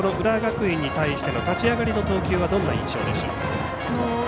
浦和学院に対しての立ち上がりの投球はどんな印象でしょう？